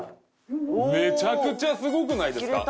めちゃくちゃすごくないですか？